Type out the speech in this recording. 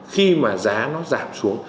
khi mà giá nó giảm xuống